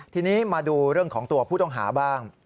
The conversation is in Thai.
ทีนี้มาดูเรื่องของตัวผู้ต้องหาบ้าง